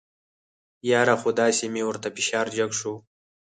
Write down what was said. یاره خو داسې مې ورته فشار جګ شو.